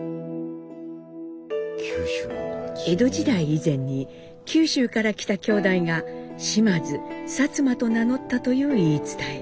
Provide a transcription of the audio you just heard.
江戸時代以前に九州から来た兄弟が嶋津薩摩と名乗ったという言い伝え。